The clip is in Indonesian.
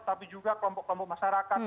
tapi juga kelompok kelompok masyarakat